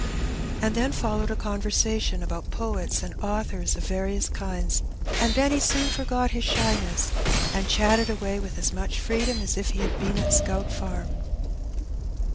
And then followed a conversation about poets and authors of various kinds, and Benny soon forgot his shy ness, and chatted away with as much freedom as if he had been at Scout Farm.